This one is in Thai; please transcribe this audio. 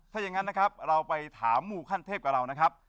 ถ้าอย่างนั้นนะครับเราไปถามหมู่ขั้นเทพกับเรานะครับ